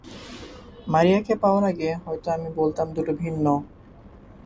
মারিয়াকে পাওয়ার আগে, হয়তো আমি বলতাম দুটো ভিন্ন।